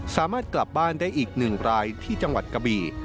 สามารถกลับบ้านได้อีก๑รายที่จังหวัดกะบี่